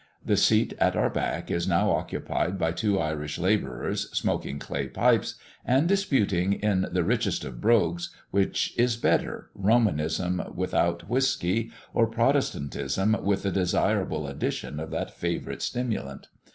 The seat at our back is now occupied by two Irish labourers, smoking clay pipes, and disputing in the richest of brogues, which is better, Romanism without whiskey, or Protestantism with the desirable addition of that favourite stimulant.